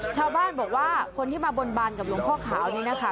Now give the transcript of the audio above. ชาวบ้านบอกว่าคนที่มาบนบานกับหลวงพ่อขาวนี่นะคะ